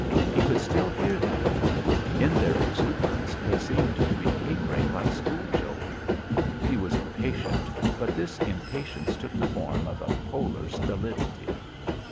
He could still hear them; in their exuberance they seemed to be capering like schoolchildren. He was impatient, but this impatience took the form of a polar stolidity.